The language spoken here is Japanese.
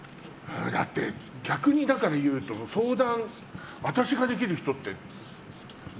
だって逆に言うと相談、私ができる人って。